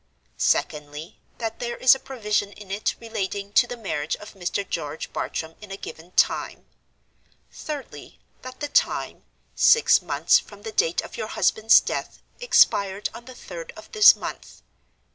Secondly, that there is a provision in it relating to the marriage of Mr. George Bartram in a given time. Thirdly, that the time (six months from the date of your husband's death) expired on the third of this month.